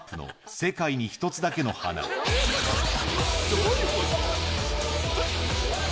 どういうこと⁉